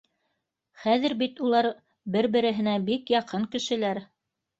Хәҙер бит улар бер-береһенә бик яҡын кешеләр